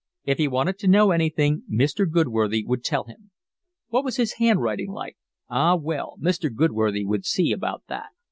If he wanted to know anything Mr. Goodworthy would tell him. What was his handwriting like? Ah well, Mr. Goodworthy would see about that.